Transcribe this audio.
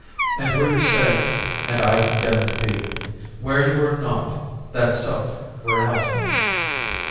And were you saved, And I condemned to be Where you were not, That self were hell to me.